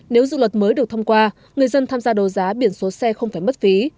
nếu dự luật mới được thông qua người dân tham gia đấu giá biển số xe không phải mất phí